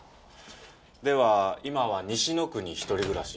では今は西野区に一人暮らし。